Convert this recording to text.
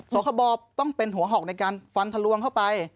คบต้องเป็นหัวหอกในการฟันทะลวงเข้าไป